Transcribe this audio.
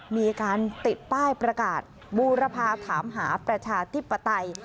มีการติดป้ายประกาศบูรพาถามหาประชาธิปไตย